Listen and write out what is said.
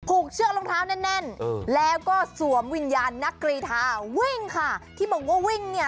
กเชือกรองเท้าแน่นแน่นแล้วก็สวมวิญญาณนักกรีธาวิ่งค่ะที่บอกว่าวิ่งเนี่ย